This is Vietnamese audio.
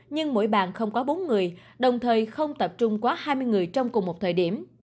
nhưng mỗi bàn không có bốn người đồng thời không tập trung quá hai mươi người trong cùng một thời điểm